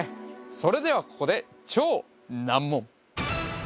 それではここで超難問